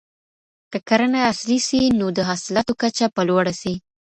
که کرنه عصري سي نو د حاصلاتو کچه به لوړه سي.